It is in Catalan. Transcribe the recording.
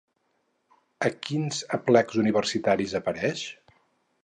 A quins aplecs universitaris apareix?